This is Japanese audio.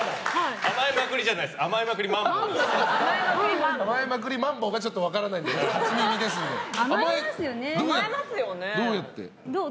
甘えまくりまんぼうがちょっと分からないんですけど。